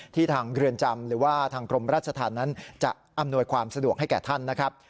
ทางเรือนจำหรือว่าทางกรมราชธรรมนั้นจะอำนวยความสะดวกให้แก่ท่านนะครับ